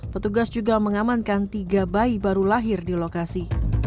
petugas juga mengamankan tiga bayi baru lahir di lokasi